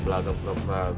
saat cepet ya saat